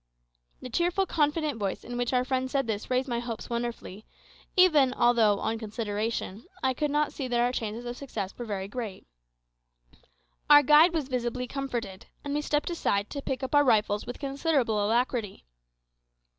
The cheerful, confident voice in which our friend said this raised my hopes wonderfully, even although, on consideration, I could not see that our chances of success were very great. Our guide was visibly comforted, and we stepped aside to pick up our rifles with considerable alacrity.